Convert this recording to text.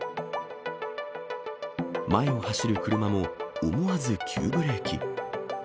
前を走る車も思わず急ブレーキ。